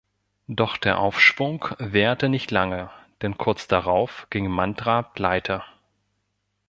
Doch der Aufschwung währte nicht lange, denn kurz darauf ging "Mantra" pleite.